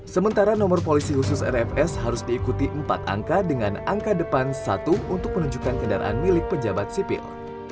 sementara nomor polisi khusus rfs harus diikuti empat angka dengan angka depan satu untuk menunjukkan kendaraan milik pejabat sipil